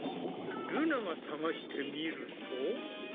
ルナが探してみると。